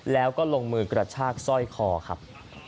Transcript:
แล้วก็ลงมือกระชากสร้อยคอครับ